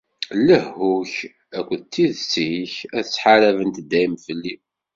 Lehhu-k akked tidet-ik ad ttḥarabent dayem fell-i.